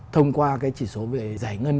thông qua cái chỉ số về giải ngân